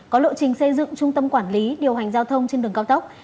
có lộ trình xây dựng trung tâm quản lý điều hành giao thông trên đường cao tốc